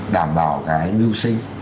đảm bảo cái lưu sinh